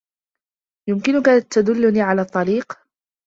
يمكنك تدلني على الطريق؟